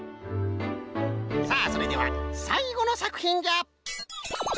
さあそれではさいごのさくひんじゃ！